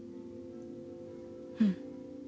うん。